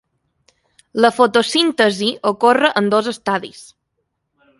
La fotosíntesi ocorre en dos estadis.